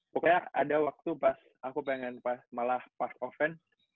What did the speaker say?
pokoknya ada waktu pas aku pengen malah pas oven